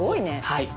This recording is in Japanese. はい。